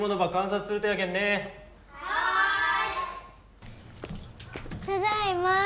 ただいま。